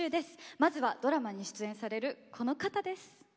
まずは、ドラマに出演されるこの方です。